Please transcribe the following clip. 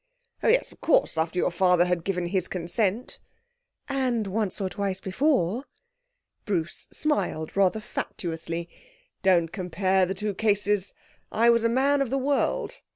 'Oh, yes, of course; after your father had given his consent.' 'And once or twice before.' Bruce smiled rather fatuously. 'Don't compare the two cases. I was a man of the world....